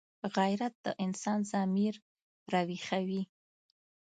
غیرت د انسان ضمیر راویښوي